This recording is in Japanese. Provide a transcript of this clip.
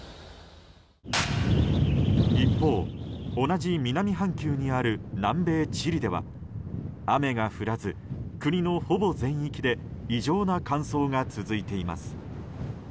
一方、同じ南半球にある南米チリでは雨が降らず国のほぼ全域で異常な乾燥が続いています。